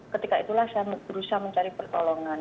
ketika itulah saya berusaha mencari pertolongan